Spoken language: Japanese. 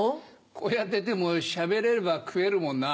こうやっててもしゃべれれば食えるもんな。